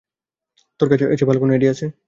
তোর কাছে এর চেয়ে ভালো আইডিয়া আছে?